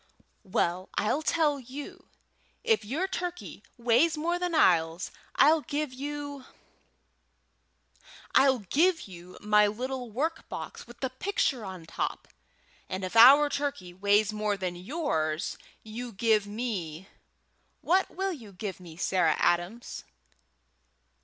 "Well, I'll tell you. If your turkey weighs more than ours I'll give you I'll give you my little work box with the picture on the top, and if our turkey weighs more than yours you give me What will you give me, Sarah Adams?"